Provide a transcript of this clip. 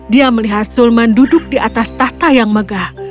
dia melihat sulman duduk di atas tahta yang megah